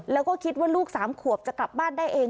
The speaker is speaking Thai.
แล้วก็คิดว่าลูก๓ขวบจะกลับบ้านได้เอง